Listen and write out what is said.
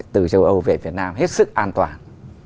từ châu âu về việt nam hết sức an toàn